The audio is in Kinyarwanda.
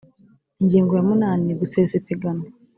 Ingingo ya munani Gusesa ipiganwa